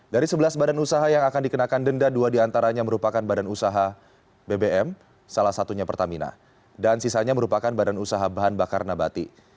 dari sebelas badan usaha yang akan dikenakan denda dua diantaranya merupakan badan usaha bbm salah satunya pertamina dan sisanya merupakan badan usaha bahan bakar nabati